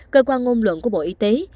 cơ quan ngôn luận của bộ y tế